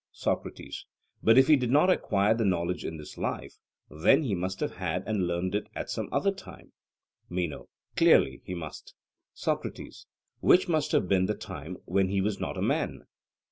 SOCRATES: But if he did not acquire the knowledge in this life, then he must have had and learned it at some other time? MENO: Clearly he must. SOCRATES: Which must have been the time when he was not a man?